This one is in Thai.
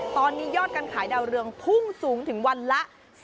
ตอนนี้ยอดการขายดาวเรืองพุ่งสูงถึงวันละ